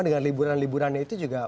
dengan liburan liburan itu juga